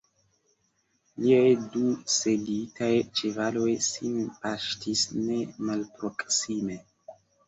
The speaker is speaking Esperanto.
Liaj du selitaj ĉevaloj sin paŝtis ne malproksime.